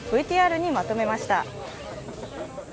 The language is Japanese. ＶＴＲにまとめました。